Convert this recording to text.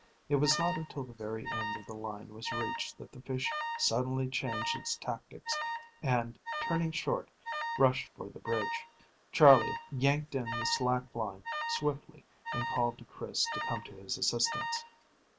It was not until the very end of the line was reached that the fish suddenly changed its tactics and, turning short, rushed for the bridge. Charley yanked in the slack line swiftly and called to Chris to come to his assistance.